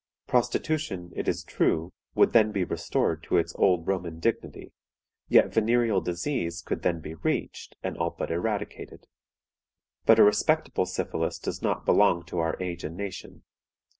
Prostitution, it is true, would then be restored to its old Roman dignity, yet venereal disease could then be reached, and all but eradicated. But a respectable syphilis does not belong to our age and nation.